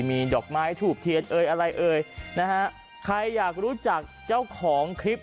มีดอกไม้ถูกเทียนเอ่ยอะไรเอ่ยนะฮะใครอยากรู้จักเจ้าของคลิป